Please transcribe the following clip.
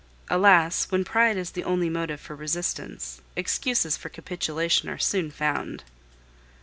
Alas! when pride is the only motive for resistance, excuses for capitulation are soon found.